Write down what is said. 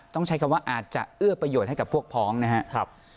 ต้องใช้คำว่าอาจจะเอื้อประโยชน์ให้กับพวกพ้องนะครับ